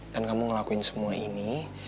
dan kamu ngelakuin semua ini